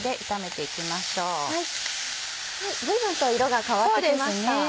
随分と色が変わって来ました。